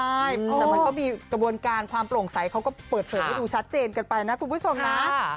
ใช่แต่มันก็มีกระบวนการความโปร่งใสเขาก็เปิดเผยให้ดูชัดเจนกันไปนะคุณผู้ชมนะ